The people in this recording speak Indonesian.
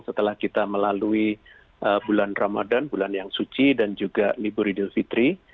setelah kita melalui bulan ramadan bulan yang suci dan juga libur idul fitri